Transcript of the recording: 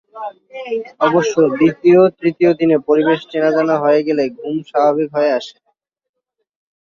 অবশ্য দ্বিতীয়-তৃতীয় দিনে পরিবেশ চেনা-জানা হয়ে গেলে ঘুম স্বাভাবিক হয়ে আসে।